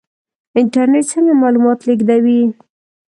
انټرنیټ څنګه معلومات لیږدوي؟